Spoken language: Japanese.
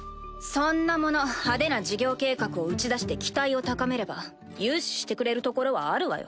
そんなもの派手な事業計画を打ち出して期待を高めれば融資してくれる所はあるわよ。